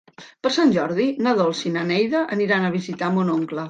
Per Sant Jordi na Dolça i na Neida aniran a visitar mon oncle.